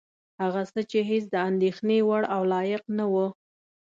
هغه څه چې هېڅ د اندېښنې وړ او لایق نه وه.